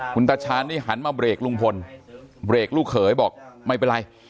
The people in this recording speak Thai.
คุณตาชาญนี่หันมาเบรกลุงพลเบรกลูกเขยบอกไม่เป็นไร